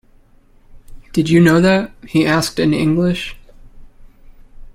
"Did you know that?" he asked in English.